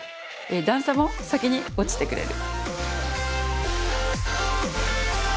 段差も先に落ちてくれる。